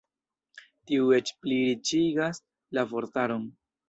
Tiuj eĉ pli riĉigas la vortaron.